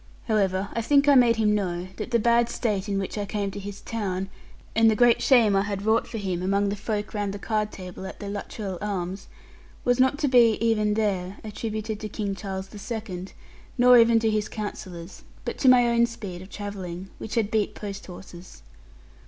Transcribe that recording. However, I think I made him know that the bad state in which I came to his town, and the great shame I had wrought for him among the folk round the card table at the Luttrell Arms, was not to be, even there, attributed to King Charles the Second, nor even to his counsellors, but to my own speed of travelling, which had beat post horses.